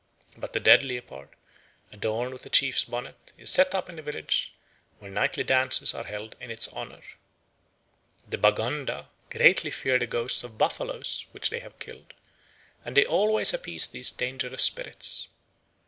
But the dead leopard, adorned with a chief's bonnet, is set up in the village, where nightly dances are held in its honour. The Baganda greatly fear the ghosts of buffaloes which they have killed, and they always appease these dangerous spirits.